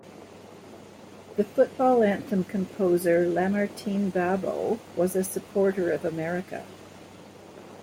The football anthem composer Lamartine Babo was a supporter of America.